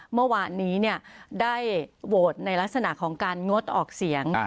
เมื่อวานนี้ได้โหวตในลักษณะของการงดออกเสียง